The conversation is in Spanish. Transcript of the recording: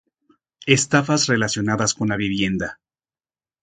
Estafas relacionadas con la vivienda